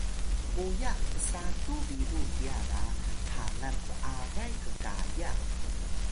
muyax psatu biru hiya ga halan p’aray qqaya